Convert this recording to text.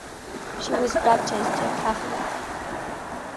She was baptised a Catholic.